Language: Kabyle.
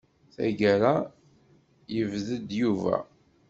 Tagara, yebded Yuba.